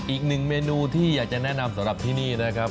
อีกหนึ่งเมนูที่อยากจะแนะนำสำหรับที่นี่นะครับ